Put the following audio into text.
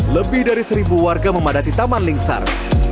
lebih dari seribu warga memadati taman lingsar